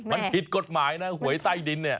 มันผิดกฎหมายนะหวยใต้ดินเนี่ย